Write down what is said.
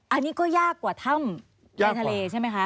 อันนี้ก็ยากกว่าถ้ำในทะเลใช่ไหมคะ